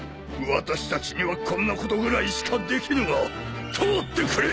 私たちにはこんなことぐらいしかできぬが通ってくれ！